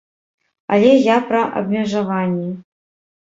Але я пра абмежаванні.